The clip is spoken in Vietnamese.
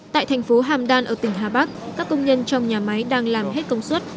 tại thành phố hàm đan ở tỉnh hà bắc các công nhân trong nhà máy đang làm hết công suất